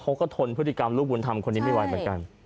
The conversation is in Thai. เขาก็ทนพฤติกรรมลูกบุญธรรมคนนี้ไม่ไหวเหมือนกัน